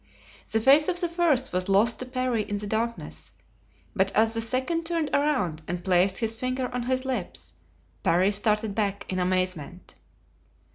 The face of the first was lost to Parry in the darkness; but as the second turned around and placed his finger on his lips Parry started back in amazement.